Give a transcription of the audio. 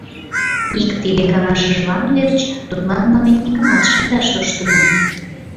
Ик тиде каҥашыжлан верч тудлан памятникымат шындаш тоштына...